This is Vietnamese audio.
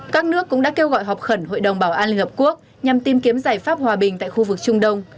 các nước cũng đã kêu gọi họp khẩn hội đồng bảo an liên hợp quốc nhằm tìm kiếm giải pháp hòa bình tại khu vực trung đông